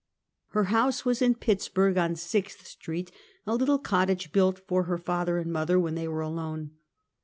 Her house was in Pittsburg, on Sixth street, a little cottage built for her father and mother when they were alone.